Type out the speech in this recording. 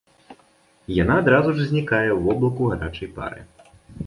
Яна адразу ж знікае ў воблаку гарачай пары.